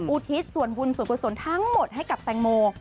อุทิศส่วนบุญส่วนกุศลทั้งหมดให้กับแตงโม